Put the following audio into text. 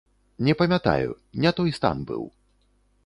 Не памятаю, не той стан быў.